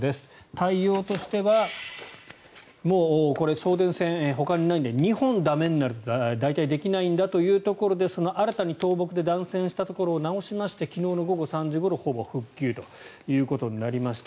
対応としてはもう送電線ほかにないので２本駄目になると代替できないんだというところで新たに倒木で断線したところを直しまして昨日の午後３時ごろほぼ復旧ということになりました。